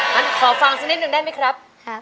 มาขอฟังซักนิดหนึ่งได้ไหมครับ